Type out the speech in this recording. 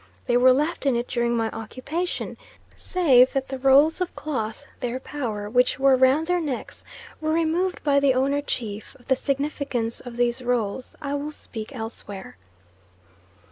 They were left in it during my occupation, save that the rolls of cloth (their power) which were round their necks, were removed by the owner chief; of the significance of these rolls I will speak elsewhere.